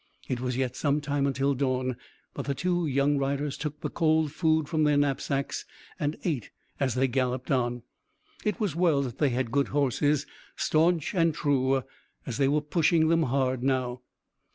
It was yet some time until dawn, but the two young riders took the cold food from their knapsacks and ate as they galloped on. It was well that they had good horses, staunch and true, as they were pushing them hard now.